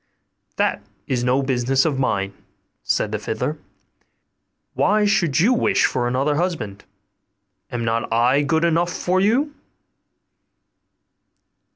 'That is no business of mine,' said the fiddler: 'why should you wish for another husband? Am not I good enough for you?